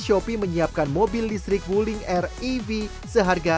terima kasih shopee